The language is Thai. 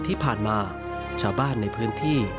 ที่ผ่านมาชาวบ้านในพื้นที่